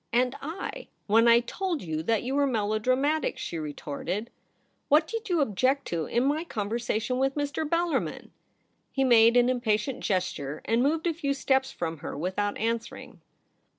' And I, when I told you that you were melodramatic,' she retorted. ' What did you object to in my conversation with Mr. Bellar min ?' He made an impatient gesture, and moved a few steps from her without answering.